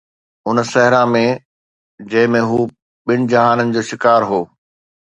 ان صحرا ۾ جنهن ۾ هو ٻن جهانن جو شڪار هو